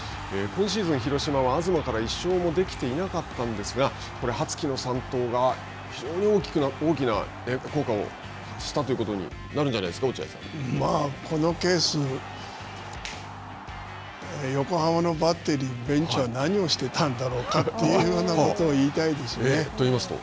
今シーズン、広島は東から１勝もできていなかったんですが羽月の三盗が非常に大きな効果を発したということになるんじゃないですか、まあ、このケース、横浜のバッテリー、ベンチは何をしてたんだろうかというようなことをといいますと？